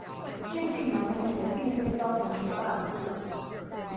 葉姓男同學並非遭同學霸凌致死